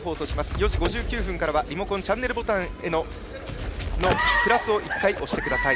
４時５９分からはリモコンのチャンネルボタンのプラスを１回押してください。